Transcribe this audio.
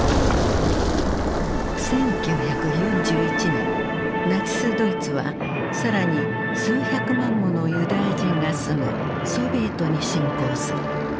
１９４１年ナチスドイツは更に数百万ものユダヤ人が住むソビエトに侵攻する。